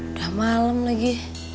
udah malem lagi